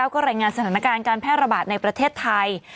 ก็รายงานสถานการณ์การแพร่ระบาดในประเทศไทย